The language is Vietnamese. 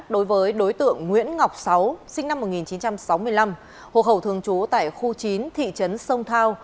đối với đối tượng nguyễn ngọc sáu sinh năm một nghìn chín trăm sáu mươi năm hộ khẩu thường trú tại khu chín thị trấn sông thao